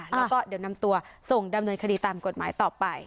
แล้วก็เดี๋ยวนำตัวส่งดำเนินคดีตามกฎหมายต่อไป